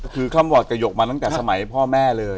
คือค่ำหวัดกระหกมาตั้งแต่สมัยพ่อแม่เลย